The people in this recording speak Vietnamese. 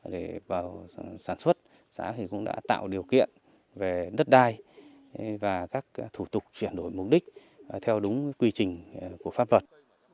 để vào sản xuất xã cũng đã tạo điều kiện về đất đai và các thủ tục chuyển đổi mục đích theo đúng quy trình của pháp luật